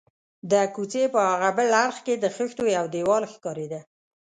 د کوڅې په هاغه بل اړخ کې د خښتو یو دېوال ښکارېده.